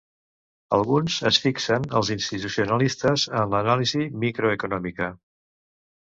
Alguns es fixen els institucionalistes en l'anàlisi microeconòmica.